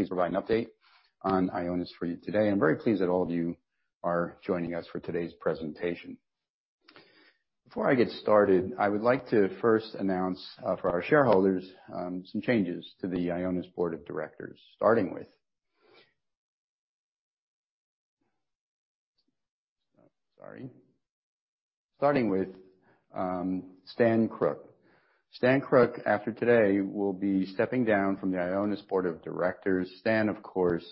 Please provide an update on Ionis for you today. I'm very pleased that all of you are joining us for today's presentation. Before I get started, I would like to first announce for our shareholders some changes to the Ionis Board of Directors, starting with Stan Crooke. Stan Crooke, after today, will be stepping down from the Ionis Board of Directors. Stan, of course,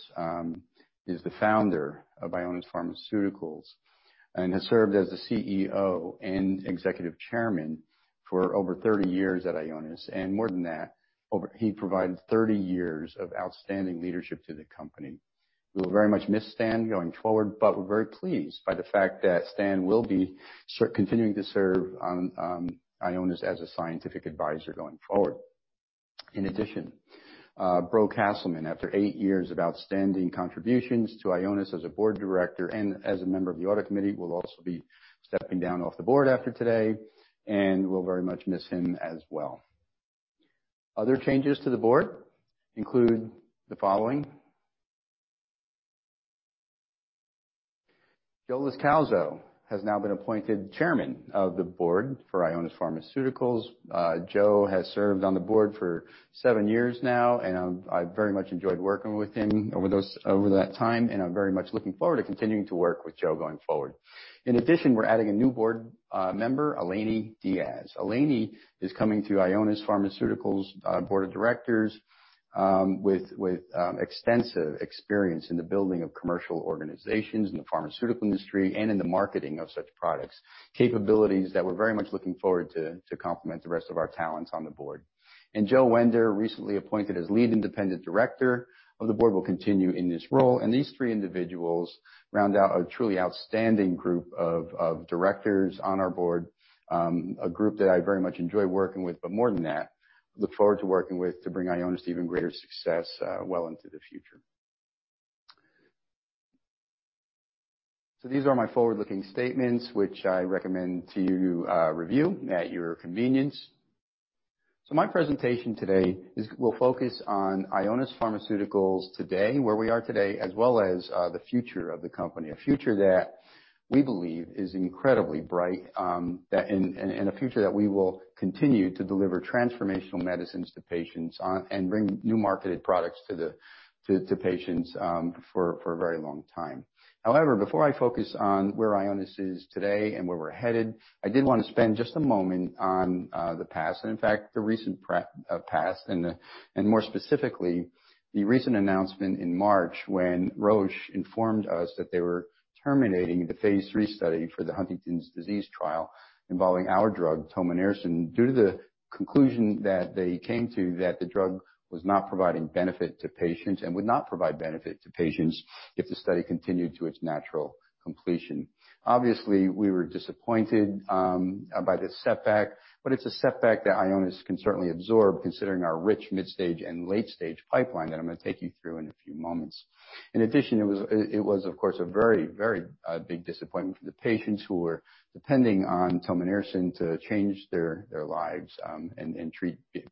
is the founder of Ionis Pharmaceuticals and has served as the CEO and Executive Chairman for over 30 years at Ionis, and more than that, he provided 30 years of outstanding leadership to the company. We will very much miss Stan going forward, but we're very pleased by the fact that Stan will be continuing to serve on Ionis as a scientific advisor going forward. In addition, Breaux Castleman, after eight years of outstanding contributions to Ionis as a board director and as a member of the audit committee, will also be stepping down off the board after today, and we'll very much miss him as well. Other changes to the board include the following. Joseph Loscalzo has now been appointed Chairman of the Board for Ionis Pharmaceuticals. Joe has served on the board for seven years now, and I've very much enjoyed working with him over that time, and I'm very much looking forward to continuing to work with Joe going forward. In addition, we're adding a new board member, Allene M. Diaz. Allene M. Diaz is coming to Ionis Pharmaceuticals' board of directors with extensive experience in the building of commercial organizations in the pharmaceutical industry and in the marketing of such products, capabilities that we're very much looking forward to complement the rest of our talents on the board. Joseph Wender, recently appointed as Lead Independent Director of the board, will continue in this role, and these three individuals round out a truly outstanding group of directors on our board, a group that I very much enjoy working with, but more than that, look forward to working with to bring Ionis even greater success well into the future. These are my forward-looking statements, which I recommend to you review at your convenience. My presentation today will focus on Ionis Pharmaceuticals today, where we are today, as well as the future of the company, a future that we believe is incredibly bright, and a future that we will continue to deliver transformational medicines to patients on and bring new marketed products to patients for a very long time. However, before I focus on where Ionis is today and where we're headed, I did want to spend just a moment on the past, and in fact, the recent past, and more specifically, the recent announcement in March when Roche informed us that they were terminating the phase III study for the Huntington's disease trial involving our drug, tominersen, due to the conclusion that they came to that the drug was not providing benefit to patients and would not provide benefit to patients if the study continued to its natural completion. We were disappointed by this setback, but it's a setback that Ionis can certainly absorb considering our rich mid-stage and late-stage pipeline that I'm going to take you through in a few moments. It was of course a very big disappointment for the patients who were depending on tominersen to change their lives and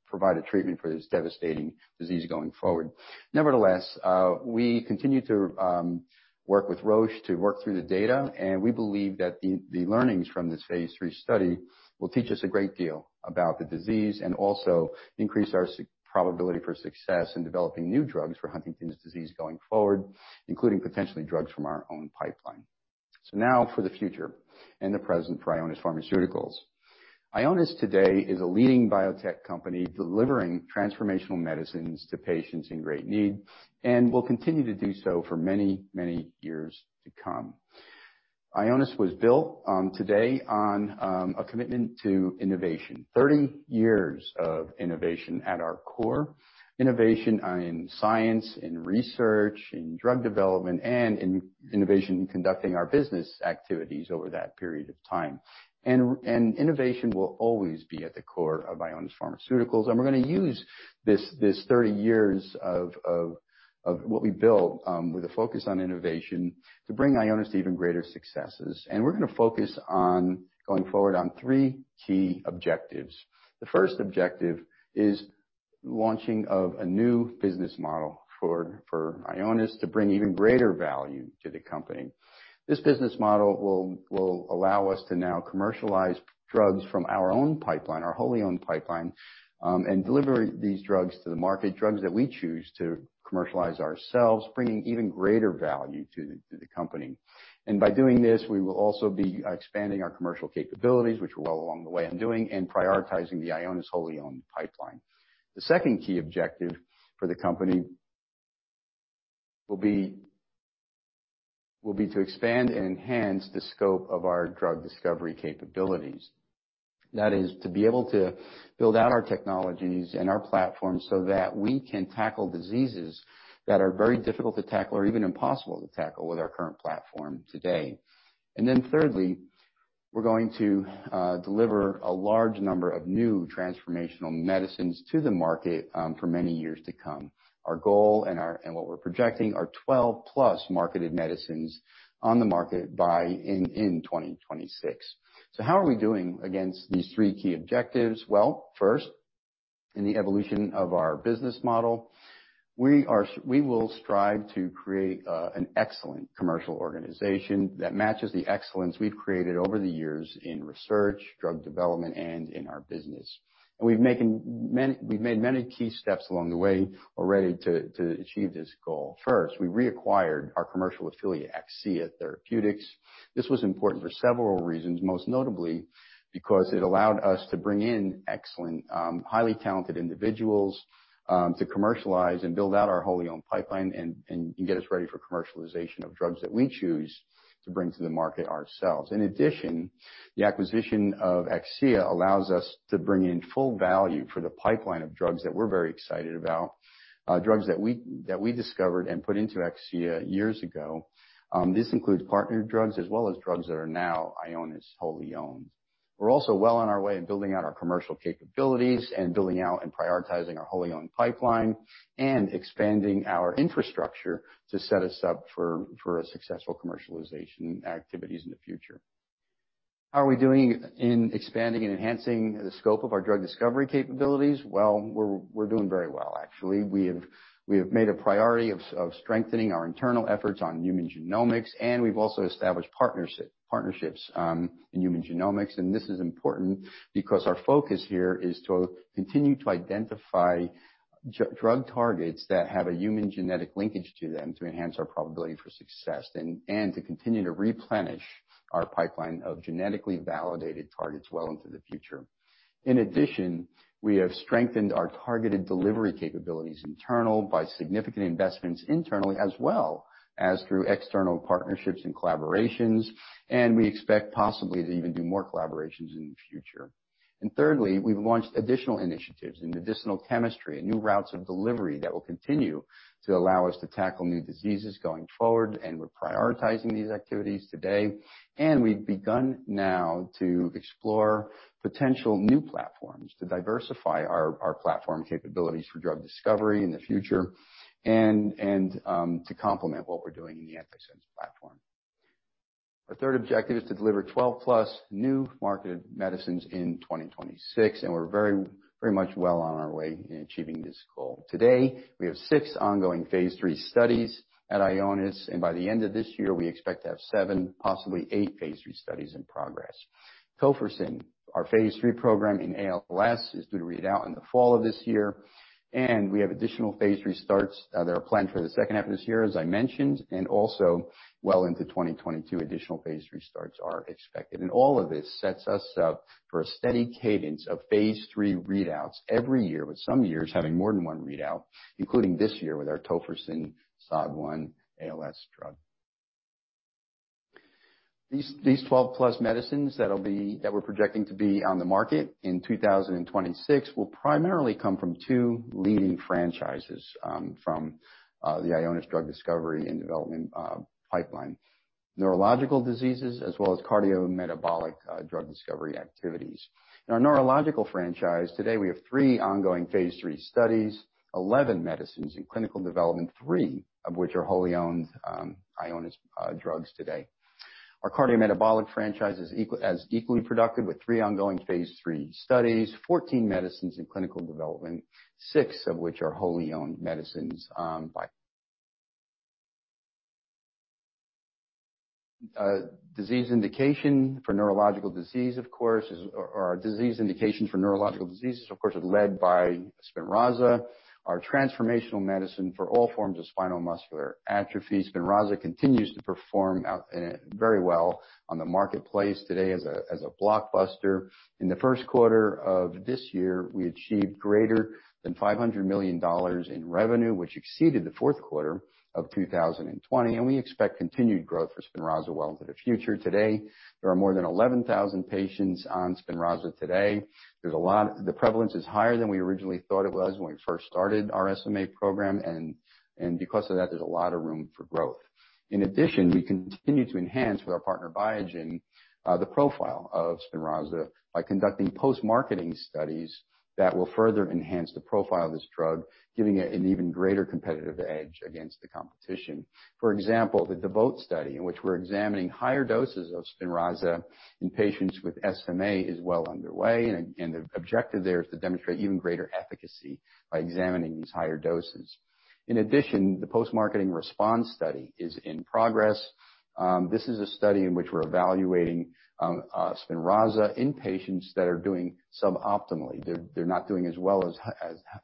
provide a treatment for this devastating disease going forward. We continue to work with Roche to work through the data, and we believe that the learnings from this phase III study will teach us a great deal about the disease and also increase our probability for success in developing new drugs for Huntington's disease going forward, including potentially drugs from our own pipeline. Now for the future and the present for Ionis Pharmaceuticals. Ionis today is a leading biotech company delivering transformational medicines to patients in great need and will continue to do so for many years to come. Ionis was built today on a commitment to innovation. 30 years of innovation at our core, innovation in science, in research, in drug development, and in innovation in conducting our business activities over that period of time. Innovation will always be at the core of Ionis Pharmaceuticals, and we're going to use these 30 years of what we built with a focus on innovation to bring Ionis to even greater successes. We're going to focus on going forward on three key objectives. The first objective is launching of a new business model for Ionis to bring even greater value to the company. This business model will allow us to now commercialize drugs from our own pipeline, our wholly-owned pipeline, and deliver these drugs to the market, drugs that we choose to commercialize ourselves, bringing even greater value to the company. By doing this, we will also be expanding our commercial capabilities, which we're well along the way on doing, and prioritizing the Ionis wholly-owned pipeline. The second key objective for the company will be to expand and enhance the scope of our drug discovery capabilities. That is to be able to build out our technologies and our platforms so that we can tackle diseases that are very difficult to tackle or even impossible to tackle with our current platform today. Thirdly, we're going to deliver a large number of new transformational medicines to the market for many years to come. Our goal and what we're projecting are 12-plus marketed medicines on the market by in 2026. How are we doing against these three key objectives? First, in the evolution of our business model, we will strive to create an excellent commercial organization that matches the excellence we've created over the years in research, drug development, and in our business. We've made many key steps along the way already to achieve this goal. First, we reacquired our commercial affiliate, Akcea Therapeutics. This was important for several reasons, most notably because it allowed us to bring in excellent, highly talented individuals to commercialize and build out our wholly-owned pipeline and get us ready for commercialization of drugs that we choose to bring to the market ourselves. In addition, the acquisition of Akcea allows us to bring in full value for the pipeline of drugs that we're very excited about, drugs that we discovered and put into Akcea years ago. This includes partnered drugs as well as drugs that are now Ionis wholly owned. We're also well on our way in building out our commercial capabilities and building out and prioritizing our wholly-owned pipeline and expanding our infrastructure to set us up for successful commercialization activities in the future. How are we doing in expanding and enhancing the scope of our drug discovery capabilities? Well, we're doing very well, actually. We have made a priority of strengthening our internal efforts on human genomics, and we've also established partnerships in human genomics. This is important because our focus here is to continue to identify drug targets that have a human genetic linkage to them to enhance our probability for success and to continue to replenish our pipeline of genetically validated targets well into the future. In addition, we have strengthened our targeted delivery capabilities internal by significant investments internally as well as through external partnerships and collaborations, and we expect possibly to even do more collaborations in the future. Thirdly, we've launched additional initiatives in medicinal chemistry and new routes of delivery that will continue to allow us to tackle new diseases going forward, and we're prioritizing these activities today. We've begun now to explore potential new platforms to diversify our platform capabilities for drug discovery in the future and to complement what we're doing in the antisense platform. Our third objective is to deliver 12-plus new-to-market medicines in 2026, and we're very much well on our way in achieving this goal. Today, we have six ongoing phase III studies at Ionis, and by the end of this year, we expect to have seven, possibly eight phase III studies in progress. Tofersen, our phase III program in ALS, is due to read out in the fall of this year, and we have additional phase III starts that are planned for the second half of this year, as I mentioned, and also well into 2022, additional phase III starts are expected. All of this sets us up for a steady cadence of phase III readouts every year, with some years having more than one readout, including this year with our tofersen SOD1 ALS drug. These 12-plus medicines that we're projecting to be on the market in 2026 will primarily come from two leading franchises from the Ionis drug discovery and development pipeline, neurological diseases as well as cardiometabolic drug discovery activities. In our neurological franchise, today we have three ongoing phase III studies, 11 medicines in clinical development, three of which are wholly-owned Ionis drugs today. Our cardiometabolic franchise is as equally productive with three ongoing phase III studies, 14 medicines in clinical development, six of which are wholly owned medicines. Disease indication for neurological disease, of course, is led by SPINRAZA, our transformational medicine for all forms of spinal muscular atrophy. SPINRAZA continues to perform very well on the marketplace today as a blockbuster. In the first quarter of this year, we achieved greater than $500 million in revenue, which exceeded the fourth quarter of 2020. We expect continued growth for SPINRAZA well into the future. Today, there are more than 11,000 patients on SPINRAZA today. The prevalence is higher than we originally thought it was when we first started our SMA program. Because of that, there's a lot of room for growth. In addition, we continue to enhance with our partner, Biogen, the profile of SPINRAZA by conducting post-marketing studies that will further enhance the profile of this drug, giving it an even greater competitive edge against the competition. For example, the DEVOTE study, in which we're examining higher doses of SPINRAZA in patients with SMA, is well underway. The objective there is to demonstrate even greater efficacy by examining these higher doses. In addition, the post-marketing RESPONSE study is in progress. This is a study in which we're evaluating SPINRAZA in patients that are doing suboptimally. They're not doing as well as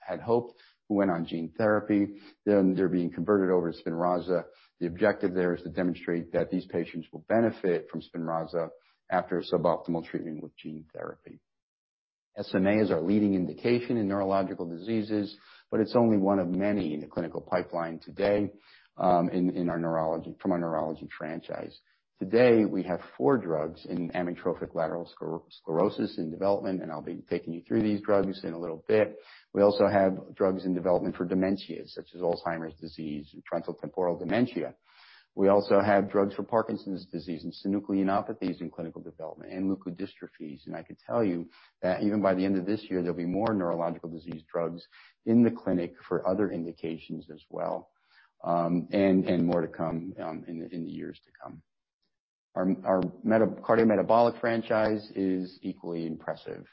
had hoped who went on gene therapy. They're being converted over to SPINRAZA. The objective there is to demonstrate that these patients will benefit from SPINRAZA after suboptimal treatment with gene therapy. SMA is our leading indication in neurological diseases, but it's only one of many in the clinical pipeline today from our neurology franchise. Today, we have four drugs in amyotrophic lateral sclerosis in development, and I'll be taking you through these drugs in a little bit. We also have drugs in development for dementias, such as Alzheimer's disease and frontotemporal dementia. We also have drugs for Parkinson's disease and synucleinopathies in clinical development and leukodystrophies. I can tell you that even by the end of this year, there'll be more neurological disease drugs in the clinic for other indications as well, and more to come in the years to come. Our cardiometabolic franchise is equally impressive.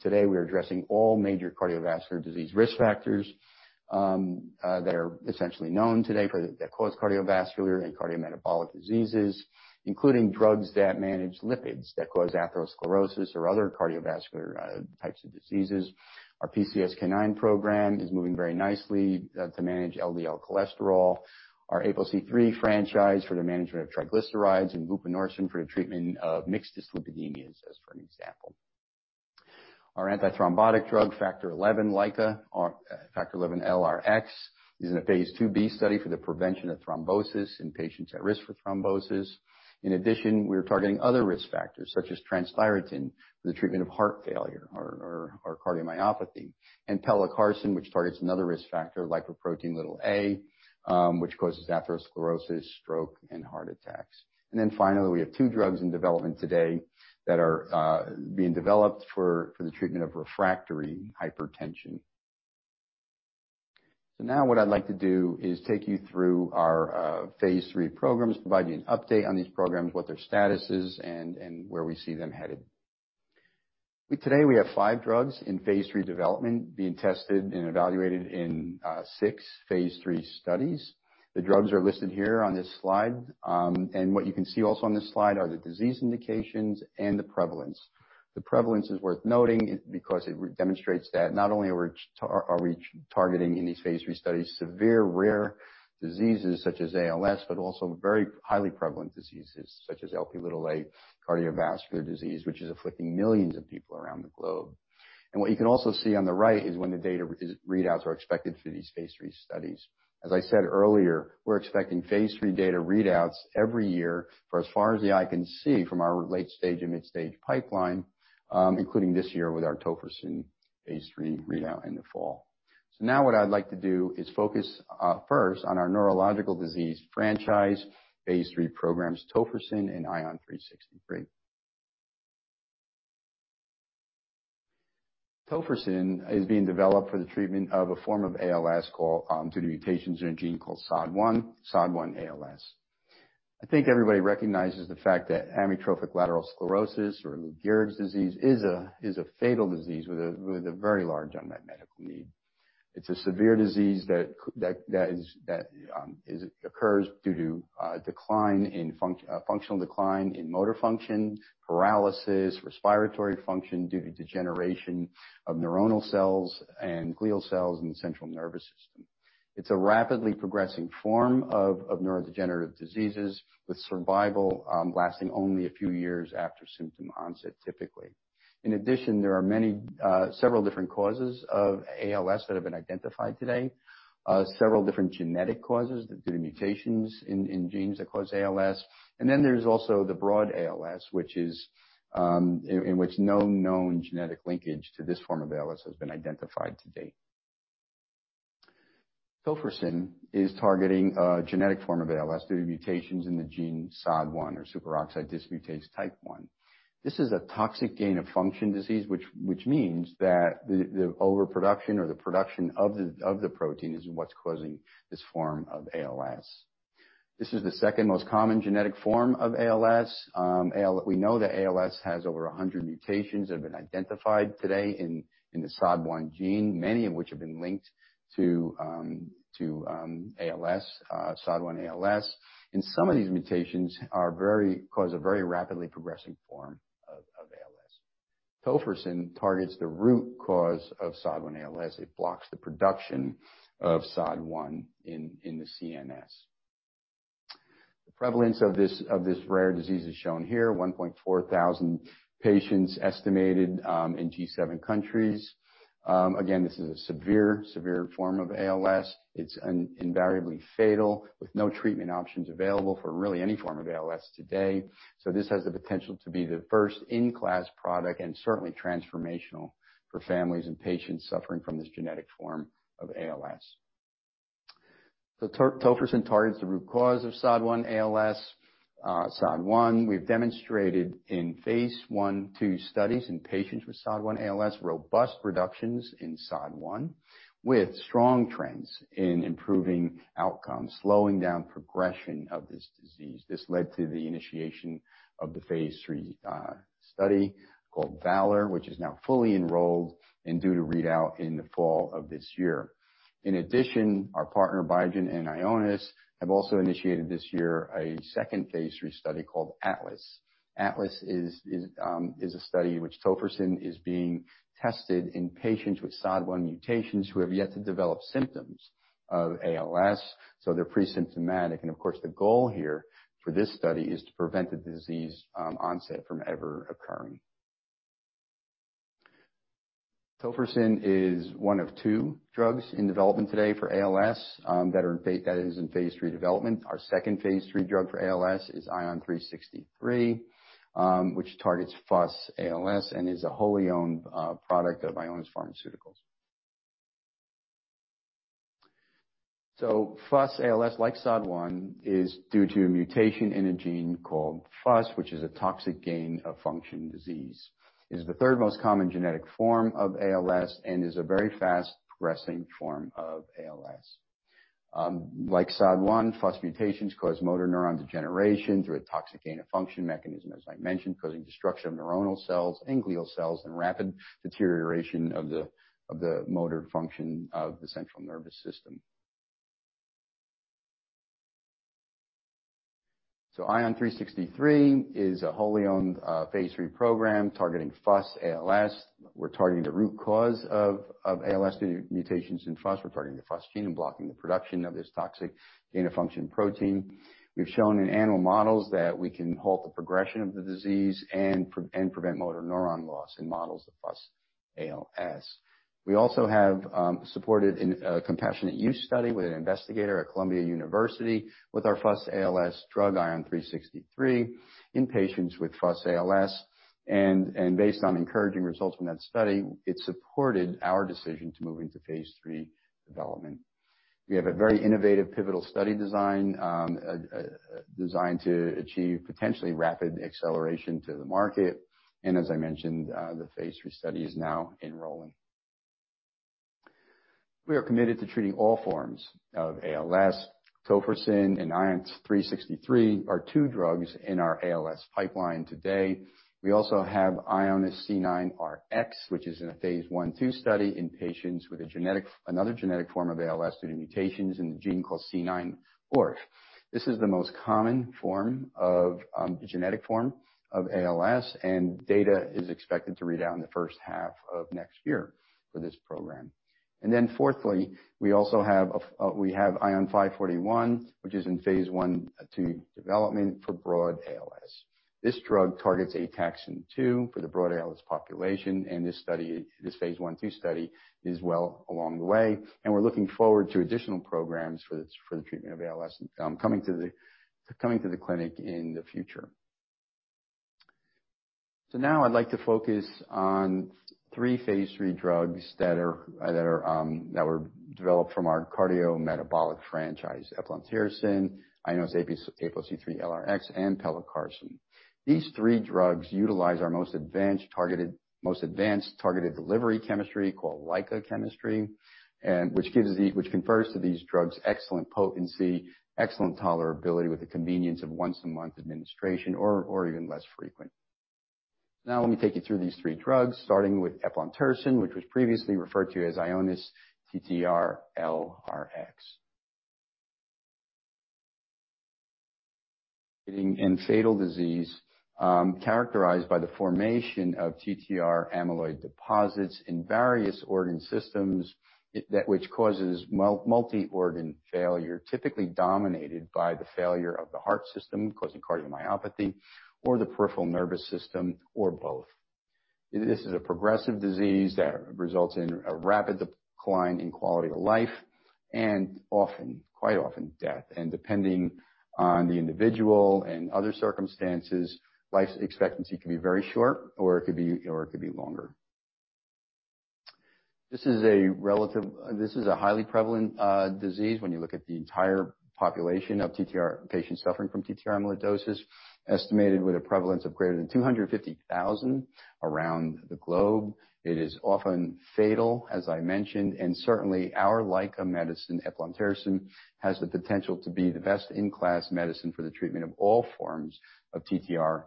Today, we're addressing all major cardiovascular disease risk factors that are essentially known today that cause cardiovascular and cardiometabolic diseases, including drugs that manage lipids that cause atherosclerosis or other cardiovascular types of diseases. Our PCSK9 program is moving very nicely to manage LDL cholesterol, our ApoC-III franchise for the management of triglycerides, and vupanorsen for the treatment of mixed dyslipidemias, as for an example. Our antithrombotic drug, Factor XI LICA, Factor XI LRx, is in a phase II-B study for the prevention of thrombosis in patients at risk for thrombosis. In addition, we are targeting other risk factors such as transthyretin for the treatment of heart failure or cardiomyopathy, pelacarsen, which targets another risk factor, Lipoprotein(a), which causes atherosclerosis, stroke, and heart attacks. Finally, we have two drugs in development today that are being developed for the treatment of refractory hypertension. Now what I would like to do is take you through our phase III programs, provide you an update on these programs, what their status is, and where we see them headed. Today, we have five drugs in phase III development being tested and evaluated in six phase III studies. The drugs are listed here on this slide. What you can see also on this slide are the disease indications and the prevalence. The prevalence is worth noting because it demonstrates that not only are we targeting in these phase III studies severe rare diseases such as ALS, but also very highly prevalent diseases such as Lp(a), cardiovascular disease, which is affecting millions of people around the globe. What you can also see on the right is when the data readouts are expected for these phase III studies. As I said earlier, we're expecting phase III data readouts every year for as far as the eye can see from our late-stage and mid-stage pipeline, including this year with our tofersen phase III readout in the fall. Now what I'd like to do is focus first on our neurological disease franchise, phase III programs, tofersen and ION363. tofersen is being developed for the treatment of a form of ALS called, due to mutations in a gene called SOD1 ALS. I think everybody recognizes the fact that amyotrophic lateral sclerosis or Lou Gehrig's disease is a fatal disease with a very large unmet medical need. It's a severe disease that occurs due to a functional decline in motor function, paralysis, respiratory function due to degeneration of neuronal cells and glial cells in the central nervous system. It's a rapidly progressing form of neurodegenerative diseases, with survival lasting only a few years after symptom onset, typically. In addition, there are several different causes of ALS that have been identified today, several different genetic causes due to mutations in genes that cause ALS. There's also the broad ALS, in which no known genetic linkage to this form of ALS has been identified to date. Tofersen is targeting a genetic form of ALS due to mutations in the gene SOD1 or superoxide dismutase type 1. This is a toxic gain-of-function disease, which means that the overproduction or the production of the protein is what's causing this form of ALS. This is the second most common genetic form of ALS. We know that ALS has over 100 mutations have been identified today in the SOD1 gene, many of which have been linked to SOD1 ALS, some of these mutations cause a very rapidly progressing form of ALS. Tofersen targets the root cause of SOD1 ALS. It blocks the production of SOD1 in the CNS. The prevalence of this rare disease is shown here, 1,400 patients estimated in G7 countries. Again, this is a severe form of ALS. It's invariably fatal, with no treatment options available for really any form of ALS today. This has the potential to be the first in-class product and certainly transformational for families and patients suffering from this genetic form of ALS. Tofersen targets the root cause of SOD1 ALS, SOD1. We've demonstrated in phase I/II studies in patients with SOD1 ALS, robust reductions in SOD1 with strong trends in improving outcomes, slowing down progression of this disease. This led to the initiation of the phase III study called VALOR, which is now fully enrolled and due to read out in the fall of this year. In addition, our partner Biogen and Ionis have also initiated this year a second phase III study called ATLAS. ATLAS is a study in which tofersen is being tested in patients with SOD1 mutations who have yet to develop symptoms of ALS, so they're pre-symptomatic. Of course, the goal here for this study is to prevent the disease onset from ever occurring. Tofersen is one of two drugs in development today for ALS that is in phase III development. Our second phase III drug for ALS is ION363, which targets FUS ALS and is a wholly owned product of Ionis Pharmaceuticals. FUS ALS, like SOD1, is due to a mutation in a gene called FUS, which is a toxic gain of function disease. It is the third most common genetic form of ALS and is a very fast-progressing form of ALS. Like SOD1, FUS mutations cause motor neuron degeneration through a toxic gain of function mechanism, as I mentioned, causing destruction of neuronal cells, glial cells, and rapid deterioration of the motor function of the central nervous system. ION363 is a wholly owned phase III program targeting FUS ALS. We're targeting the root cause of ALS mutations in FUS. We're targeting the FUS gene and blocking the production of this toxic gain of function protein. We've shown in animal models that we can halt the progression of the disease and prevent motor neuron loss in models of FUS-ALS. We also have supported in a compassionate use study with an investigator at Columbia University with our FUS-ALS drug ION363 in patients with FUS-ALS. Based on encouraging results from that study, it supported our decision to move into phase III development. We have a very innovative pivotal study design designed to achieve potentially rapid acceleration to the market. As I mentioned, the phase III study is now enrolling. We are committed to treating all forms of ALS. tofersen and ION363 are two drugs in our ALS pipeline today. We also have IONIS-C9Rx, which is a phase I/II study in patients with another genetic form of ALS due to mutations in the gene called C9orf72. This is the most common genetic form of ALS. Data is expected to read out in the first half of next year for this program. Fourthly, we also have ION541, which is in phase I/II development for broad ALS. This drug targets ATXN2 for the broad ALS population, and this phase I/II study is well along the way. We're looking forward to additional programs for the treatment of ALS coming to the clinic in the future. Now I'd like to focus on three phase III drugs that were developed from our cardiometabolic franchise, eplontersen, IONIS-APOCIII-LRx, and pelacarsen. These three drugs utilize our most advanced targeted delivery chemistry called LICA chemistry, which confers to these drugs excellent potency, excellent tolerability with the convenience of once-a-month administration or even less frequent. Let me take you through these three drugs, starting with eplontersen, which was previously referred to as IONIS-TTR-LRx. This is a fatal disease characterized by the formation of TTR amyloid deposits in various organ systems, which causes multi-organ failure, typically dominated by the failure of the heart system, causing cardiomyopathy or the peripheral nervous system, or both. This is a progressive disease that results in a rapid decline in quality of life and quite often death. Depending on the individual and other circumstances, life expectancy can be very short, or it could be longer. This is a highly prevalent disease when you look at the entire population of patients suffering from TTR amyloidosis, estimated with a prevalence of greater than 250,000 around the globe. It is often fatal, as I mentioned, and certainly our LICA medicine, eplontersen, has the potential to be the best-in-class medicine for the treatment of all forms of TTR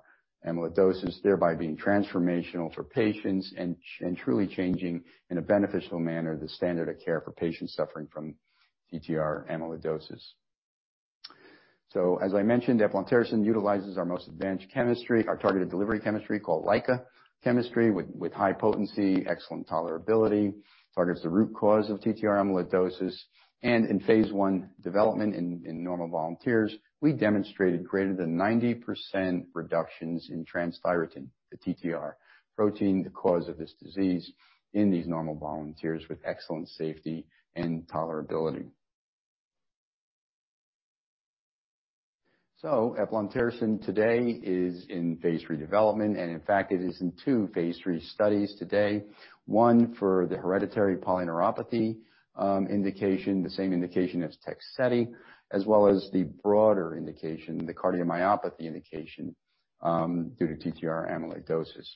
amyloidosis, thereby being transformational for patients and truly changing, in a beneficial manner, the standard of care for patients suffering from TTR amyloidosis. As I mentioned, eplontersen utilizes our most advanced chemistry, our targeted delivery chemistry called LICA chemistry with high potency, excellent tolerability, targets the root cause of TTR amyloidosis. In phase I development in normal volunteers, we demonstrated greater than 90% reductions in transthyretin, the TTR protein, the cause of this disease, in these normal volunteers with excellent safety and tolerability. Eplontersen today is in phase III development, and in fact, it is in two phase III studies today, one for the hereditary polyneuropathy indication, the same indication as TEGSEDI, as well as the broader indication, the cardiomyopathy indication, due to TTR amyloidosis.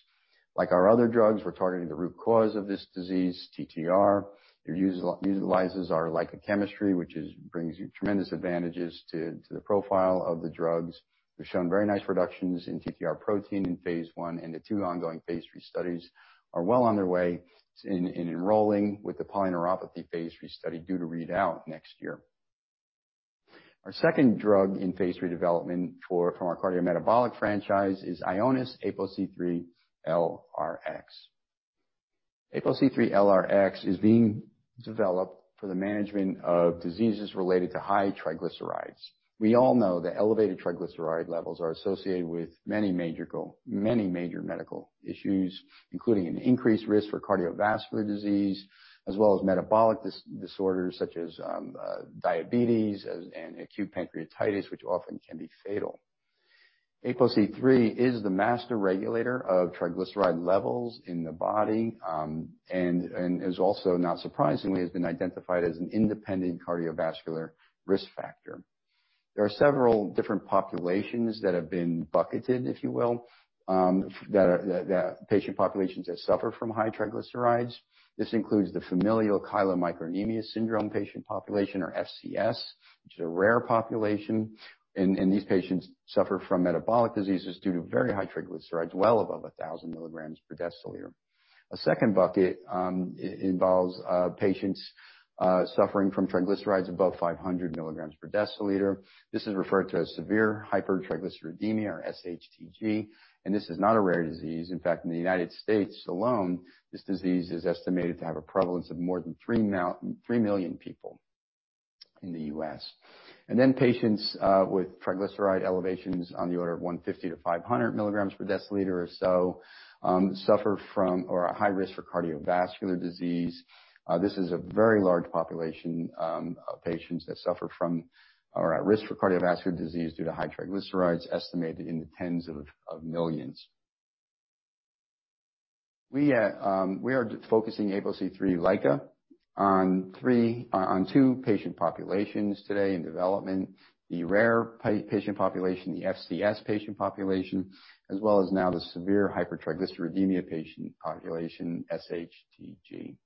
Like our other drugs, we're targeting the root cause of this disease, TTR. It utilizes our LICA chemistry, which brings tremendous advantages to the profile of the drugs. We've shown very nice reductions in TTR protein in phase I, and the two ongoing phase III studies are well on their way in enrolling with the polyneuropathy phase III study due to read out next year. Our second drug in phase III development from our cardiometabolic franchise is IONIS-APOCIII-LRx. APOCIII-LRx is being developed for the management of diseases related to high triglycerides. We all know that elevated triglyceride levels are associated with many major medical issues, including an increased risk for cardiovascular disease, as well as metabolic disorders such as diabetes and acute pancreatitis, which often can be fatal. ApoC-III is the master regulator of triglyceride levels in the body, and has also, not surprisingly, been identified as an independent cardiovascular risk factor. There are several different populations that have been bucketed, if you will, patient populations that suffer from high triglycerides. This includes the familial chylomicronemia syndrome patient population, or FCS, which is a rare population. These patients suffer from metabolic diseases due to very high triglycerides, well above 1,000 milligrams per deciliter. A second bucket involves patients suffering from triglycerides above 500 milligrams per deciliter. This is referred to as severe hypertriglyceridemia, or SHTG, and this is not a rare disease. In fact, in the United States alone, this disease is estimated to have a prevalence of more than 3 million people in the U.S. Patients with triglyceride elevations on the order of 150-500 milligrams per deciliter or so, suffer from a high risk for cardiovascular disease. This is a very large population of patients that suffer from a risk for cardiovascular disease due to high triglycerides, estimated in the tens of millions. We are focusing APOCIII LICA on two patient populations today in development, the rare patient population, the FCS patient population, as well as now the severe hypertriglyceridemia patient population, SHTG.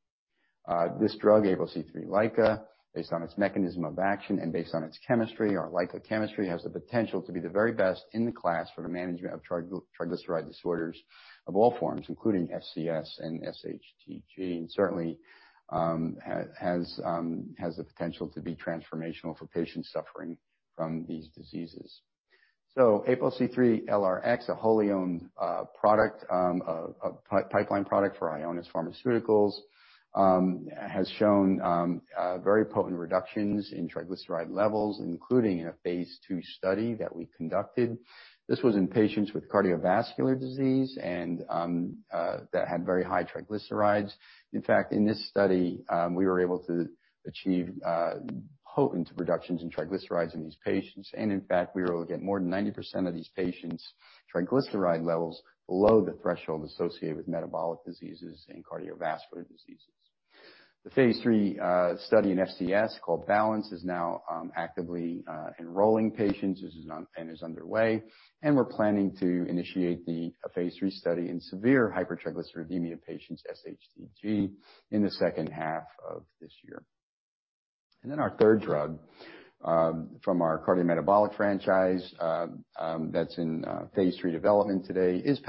This drug, APOCIII LICA, based on its mechanism of action and based on its chemistry, our LICA chemistry, has the potential to be the very best in class for the management of triglyceride disorders of all forms, including FCS and SHTG. Certainly, has the potential to be transformational for patients suffering from these diseases. APOCIII-LRx, a wholly-owned pipeline product for Ionis Pharmaceuticals, has shown very potent reductions in triglyceride levels, including in a phase II study that we conducted. This was in patients with cardiovascular disease and that had very high triglycerides. In fact, in this study, we were able to achieve potent reductions in triglycerides in these patients. In fact, we were able to get more than 90% of these patients' triglyceride levels below the threshold associated with metabolic diseases and cardiovascular diseases. The phase III study in FCS called BALANCE is now actively enrolling patients and is underway, and we're planning to initiate a phase III study in severe hypertriglyceridemia patients, SHTG, in the second half of this year. Our third drug from our cardiometabolic franchise that's in phase III development today is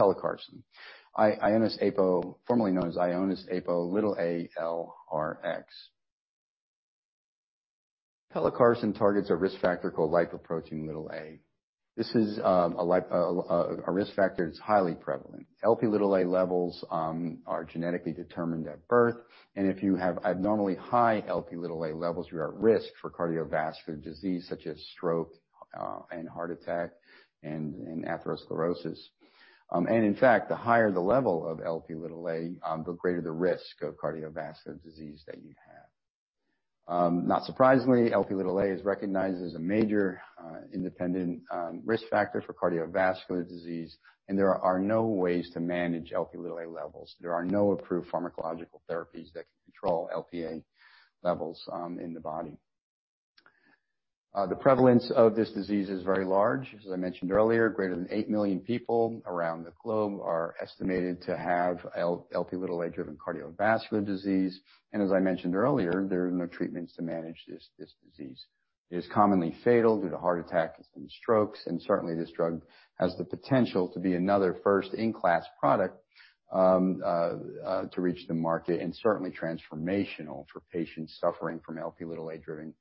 Pelacarsen, formerly known as IONIS-APO LRx. Pelacarsen targets a risk factor called Lipoprotein(a). This is a risk factor that's highly prevalent. Lp levels are genetically determined at birth. If you have abnormally high Lp levels, you're at risk for cardiovascular disease such as stroke, heart attack, and atherosclerosis. In fact, the higher the level of Lp, the greater the risk of cardiovascular disease that you have. Not surprisingly, Lp is recognized as a major independent risk factor for cardiovascular disease. There are no ways to manage Lp levels. There are no approved pharmacological therapies that can control Lp levels in the body. The prevalence of this disease is very large. As I mentioned earlier, greater than 8 million people around the globe are estimated to have Lp(a)-driven cardiovascular disease. As I mentioned earlier, there are no treatments to manage this disease. It is commonly fatal due to heart attacks and strokes, and certainly this drug has the potential to be another first-in-class product to reach the market, and certainly transformational for patients suffering from Lp(a)-driven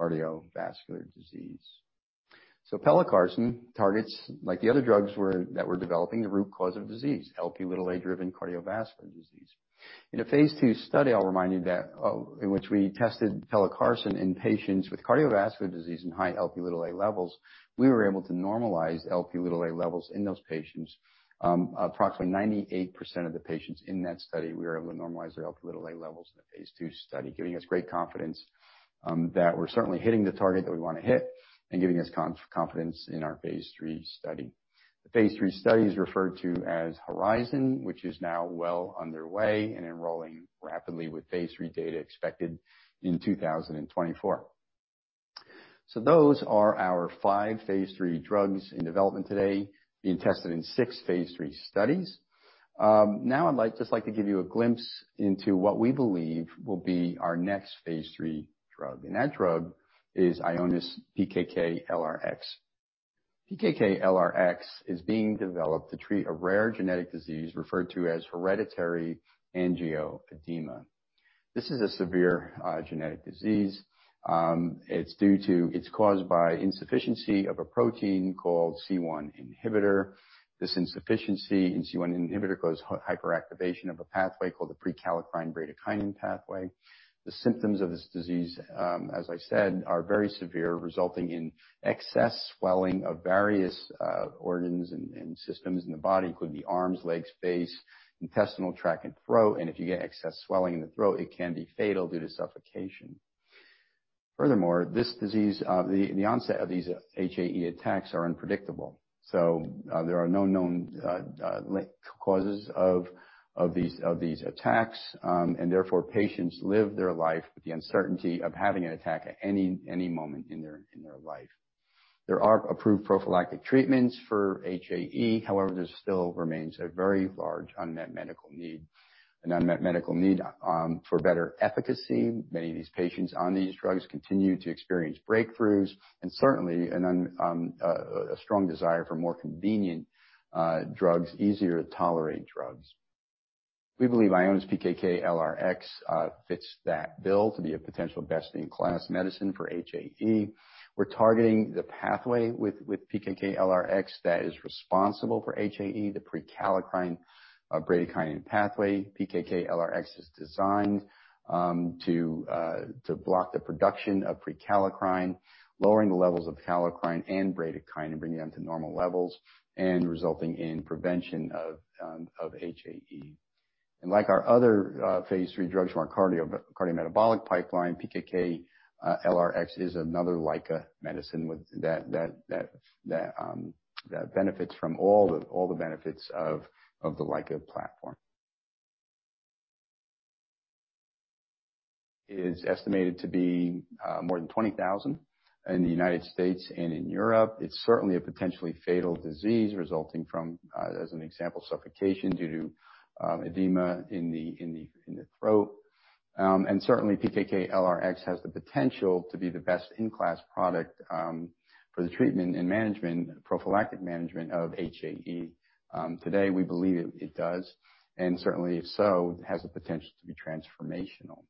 cardiovascular disease. Pelacarsen targets, like the other drugs that we're developing, a root cause of disease, Lp(a)-driven cardiovascular disease. In a phase II study, I'll remind you that in which we tested pelacarsen in patients with cardiovascular disease and high Lp(a) levels, we were able to normalize Lp(a) levels in those patients. Approximately 98% of the patients in that study, we were able to normalize their Lp levels in the phase II study, giving us great confidence that we're certainly hitting the target that we want to hit and giving us confidence in our phase III study. The phase III study is referred to as HORIZON, which is now well underway and enrolling rapidly with phase III data expected in 2024. Those are our five phase III drugs in development today being tested in six phase III studies. Now I'd just like to give you a glimpse into what we believe will be our next phase III drug, and that drug is IONIS-PKK-LRx. PKK-LRx is being developed to treat a rare genetic disease referred to as hereditary angioedema. This is a severe genetic disease. It's caused by insufficiency of a protein called C1 inhibitor. This insufficiency in C1 inhibitor causes hyperactivation of a pathway called the prekallikrein-bradykinin pathway. The symptoms of this disease, as I said, are very severe, resulting in excess swelling of various organs and systems in the body, including the arms, legs, face, intestinal tract, and throat. If you get excess swelling in the throat, it can be fatal due to suffocation. Furthermore, the onset of these HAE attacks are unpredictable. There are no known linked causes of these attacks, therefore patients live their life with the uncertainty of having an attack at any moment in their life. There are approved prophylactic treatments for HAE. However, there still remains a very large unmet medical need for better efficacy. Many of these patients on these drugs continue to experience breakthroughs and certainly a strong desire for more convenient drugs, easier to tolerate drugs. We believe IONIS-PKK-LRx fits that bill to be a potential best-in-class medicine for HAE. We're targeting the pathway with IONIS-PKK-LRx that is responsible for HAE, the prekallikrein-bradykinin pathway. IONIS-PKK-LRx is designed to block the production of prekallikrein, lowering the levels of kallikrein and bradykinin, bringing them to normal levels and resulting in prevention of HAE. Like our other phase III drugs in our cardiometabolic pipeline, IONIS-PKK-LRx is another LICA medicine that benefits from all the benefits of the LICA platform. It's estimated to be more than 20,000 in the U.S. and in Europe. It's certainly a potentially fatal disease resulting from, as an example, suffocation due to edema in the throat. Certainly, IONIS-PKK-LRx has the potential to be the best-in-class product for the treatment and prophylactic management of HAE. Today, we believe it does, and certainly, if so, it has the potential to be transformational.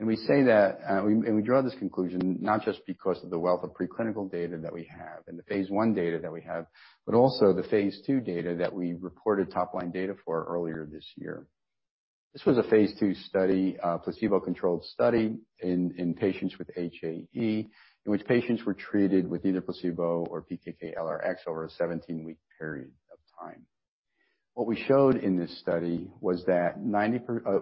We draw this conclusion not just because of the wealth of preclinical data that we have and the phase I data that we have, but also the phase II data that we reported top line data for earlier this year. This was a phase II placebo-controlled study in patients with HAE, in which patients were treated with either placebo or IONIS-PKK-LRx over a 17-week period of time. What we showed in this study was that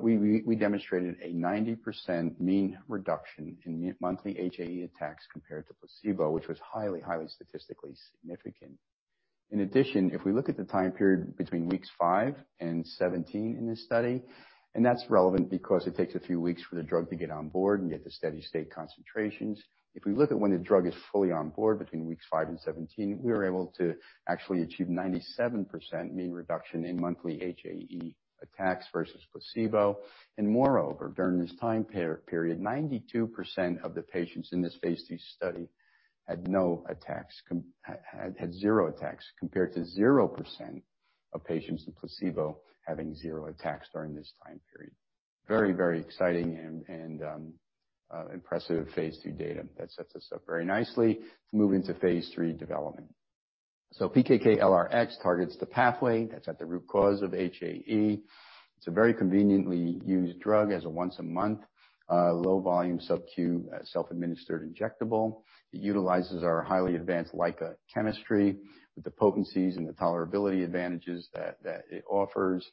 we demonstrated a 90% mean reduction in monthly HAE attacks compared to placebo, which was highly statistically significant. In addition, if we look at the time period between weeks five and 17 in this study, that's relevant because it takes a few weeks for the drug to get on board and get to steady-state concentrations. If we look at when the drug is fully on board between weeks 5 and 17, we were able to actually achieve 97% mean reduction in monthly HAE attacks versus placebo. Moreover, during this time period, 92% of the patients in this phase II study had zero attacks compared to 0% of patients in placebo having zero attacks during this time period. Very exciting and impressive phase II data that sets us up very nicely to move into phase III development. PKK-LRx targets the pathway that's at the root cause of HAE. It's a very conveniently used drug as a once-a-month, low-volume subcu self-administered injectable. It utilizes our highly advanced LICA chemistry with the potencies and the tolerability advantages that it offers.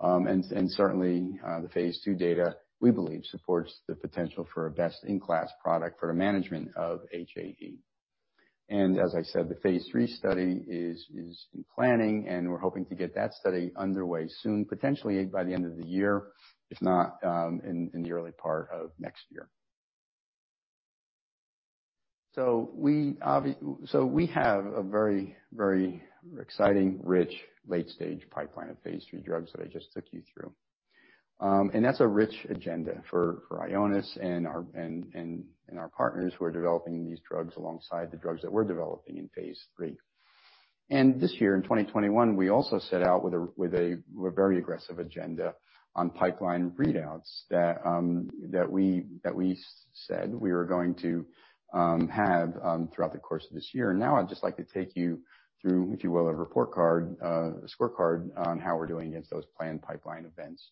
Certainly, the phase II data, we believe, supports the potential for a best-in-class product for the management of HAE. As I said, the phase III study is in planning, and we're hoping to get that study underway soon, potentially by the end of the year, if not in the early part of next year. We have a very exciting, rich late-stage pipeline of phase III drugs that I just took you through. That's a rich agenda for Ionis and our partners who are developing these drugs alongside the drugs that we're developing in phase III. This year, in 2021, we also set out with a very aggressive agenda on pipeline readouts that we said we were going to have throughout the course of this year. I'd just like to take you through, if you will, a report card, a scorecard on how we're doing against those planned pipeline events.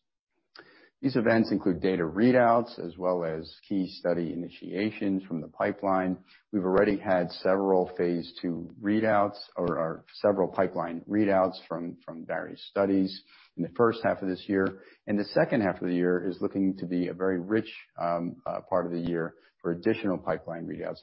These events include data readouts as well as key study initiations from the pipeline. We've already had several phase II readouts or several pipeline readouts from various studies in the first half of this year. The second half of the year is looking to be a very rich part of the year for additional pipeline readouts,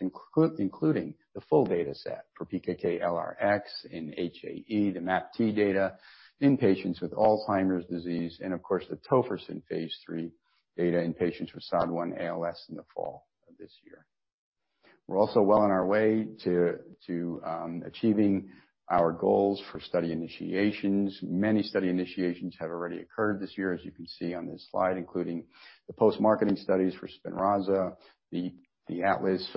including the full data set for PKK-LRx in HAE, the MAPT data in patients with Alzheimer's disease, and of course, the tofersen phase III data in patients with SOD1-ALS in the fall of this year. We're also well on our way to achieving our goals for study initiations. Many study initiations have already occurred this year, as you can see on this slide, including the post-marketing studies for SPINRAZA, the ATLAS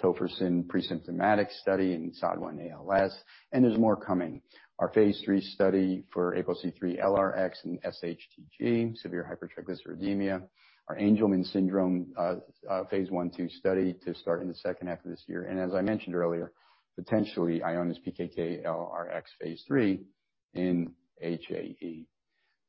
tofersen presymptomatic study in SOD1-ALS, and there's more coming. Our phase III study for APOCIII-LRx and SHTG, severe hypertriglyceridemia, our Angelman syndrome phase I/II study to start in the second half of this year. As I mentioned earlier, potentially Ionis PKK-LRx phase III in HAE.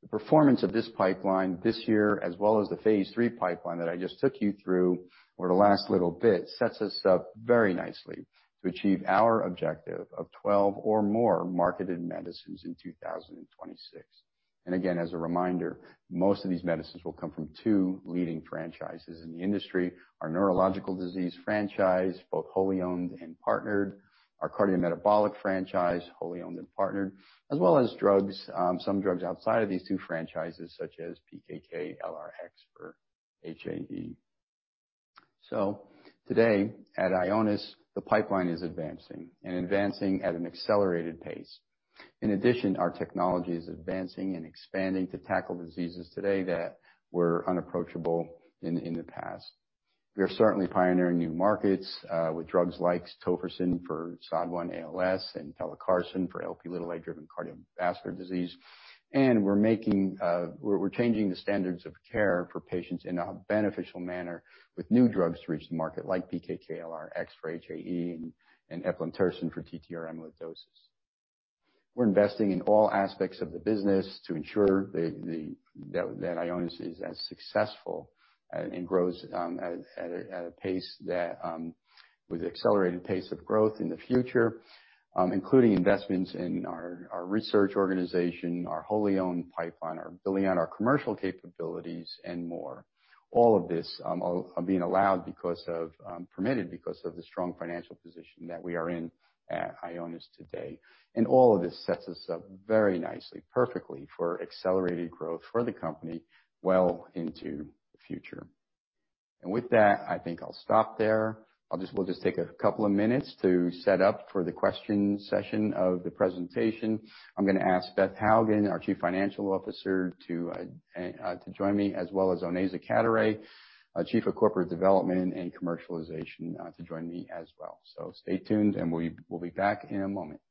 The performance of this pipeline this year, as well as the phase III pipeline that I just took you through for the last little bit, sets us up very nicely to achieve our objective of 12 or more marketed medicines in 2026. Again, as a reminder, most of these medicines will come from two leading franchises in the industry, our neurological disease franchise, both wholly-owned and partnered, our cardiometabolic franchise, wholly-owned and partnered, as well as some drugs outside of these two franchises, such as PKK-LRx for HAE. Today at Ionis, the pipeline is advancing at an accelerated pace. In addition, our technology is advancing and expanding to tackle diseases today that were unapproachable in the past. We are certainly pioneering new markets with drugs like tofersen for SOD1-ALS and pelacarsen for Lp(a) driven cardiovascular disease. We're changing the standards of care for patients in a beneficial manner with new drugs to reach the market like PKK-LRx for HAE and eplontersen for TTR amyloidosis. We're investing in all aspects of the business to ensure that Ionis is as successful and grows with accelerated pace of growth in the future, including investments in our research organization, our wholly-owned pipeline, building out our commercial capabilities, and more. All of this being permitted because of the strong financial position that we are in at Ionis today. All of this sets us up very nicely, perfectly for accelerated growth for the company well into the future. With that, I think I'll stop there. I'll just take a couple of minutes to set up for the question session of the presentation. I'm going to ask Beth Hougen, our Chief Financial Officer, to join me, as well as Onaiza Cadoret-Manier, Chief Corporate Development and Commercial Officer, to join me as well. Stay tuned and we'll be back in a moment.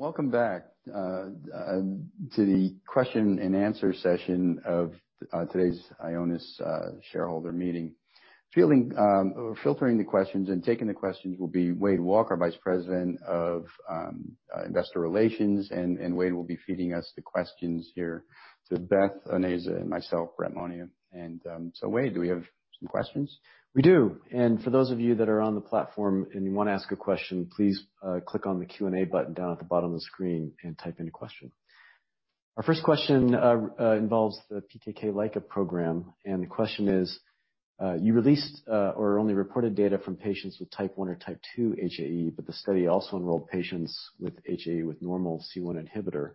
Welcome back to the question and answer session of today's Ionis shareholder meeting. Filtering the questions and taking the questions will be Wade Walke, Vice President of Investor Relations, and Wade will be feeding us the questions here to Beth, Onaiza, and myself, Brett P. Monia. Wade, do we have some questions? We do. For those of you that are on the platform and you want to ask a question, please click on the Q&A button down at the bottom of the screen and type in a question. Our first question involves the PKK LRx program, the question is, you released or only reported data from patients with Type 1 or Type 2 HAE, but the study also enrolled patients with HAE with normal C1 inhibitor.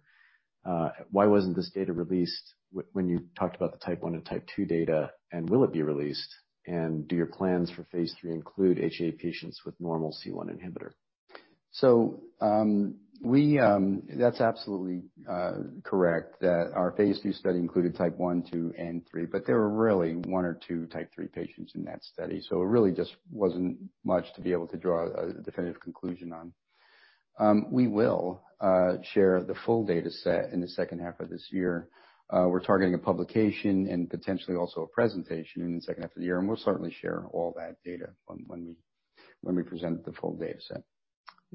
Why wasn't this data released when you talked about the Type 1 and Type 2 data, will it be released? Do your plans for phase III include HAE patients with normal C1 inhibitor? That's absolutely correct that our phase III study included Type 1, 2, and 3, but there were really one or two Type 3 patients in that study. It really just wasn't much to be able to draw a definitive conclusion on. We will share the full data set in the second half of this year. We're targeting a publication and potentially also a presentation in the second half of the year, and we'll certainly share all that data when we present the full data set.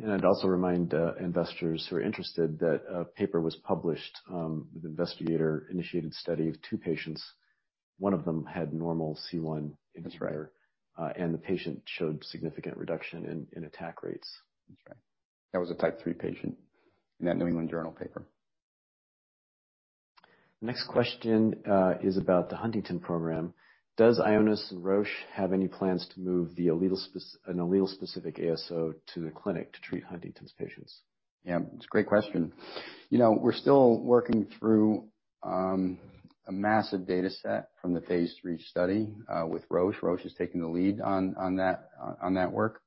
I'd also remind investors who are interested that a paper was published with investigator-initiated study of two patients. One of them had normal C1 inhibitor. That's right. The patient showed significant reduction in attack rates. Okay. That was a Type 3 patient in that one journal paper. Next question is about the Huntington program. Does Ionis Roche have any plans to move an allele-specific ASO to the clinic to treat Huntington's patients? Yeah, it's a great question. We're still working through a massive data set from the phase III study with Roche. Roche is taking the lead on that work.